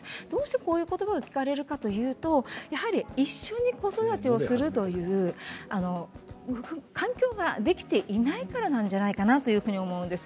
そういうことばがどうして聞かれるかというと一緒に子育てをするという環境ができていないからなんじゃないかなというふうに思うんです。